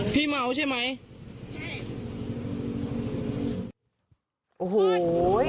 พี่เมาใช่ไหมใช่